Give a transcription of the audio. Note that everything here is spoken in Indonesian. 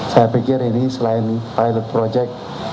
saya pikir ini selain pilot project